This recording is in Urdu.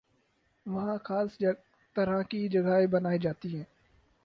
وہاں خاص طرح کی جگہیں بنائی جاتی ہیں